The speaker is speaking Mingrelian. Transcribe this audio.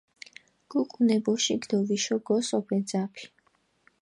გუკუნ ე ბოშიქ დო ვიშო გოსოფუ ე ძაფი.